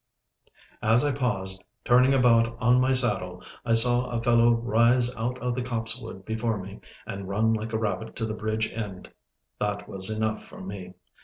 As I paused, turning about on my saddle, I saw a fellow rise out of the copse wood before me, and run like a rabbit to the bridge end. That was enough for me.